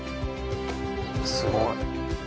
すごい。